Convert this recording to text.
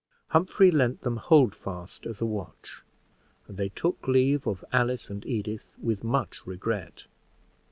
Humphrey lent them Holdfast as a watch, and they took leave of Alice and Edith with much regret.